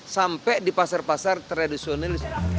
sampai di pasar pasar tradisional